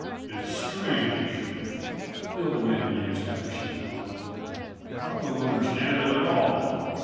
"It's strange," the older man mused after she had gone. "I don't understand it at all.